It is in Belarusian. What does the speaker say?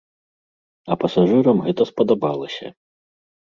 А пасажырам гэта спадабалася.